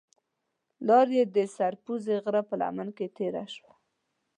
لار یې د سر پوزې غره په لمن کې تېره شوې.